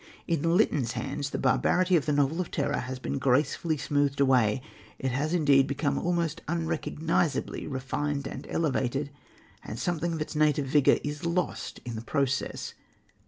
In Lytton's hands the barbarity of the novel of terror has been gracefully smoothed away. It has, indeed, become almost unrecognisably refined and elevated, and something of its native vigour is lost in the process.